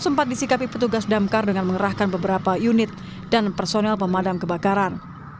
sempat disikapi petugas damkar dengan mengerahkan beberapa unit dan personel pemadam kebakaran